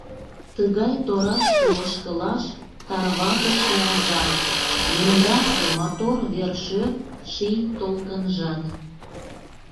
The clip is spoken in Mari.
Тыгай торашке ошкылаш Тарватыше азап — Немдасе Мотор вер-шӧр, ший толкынжат.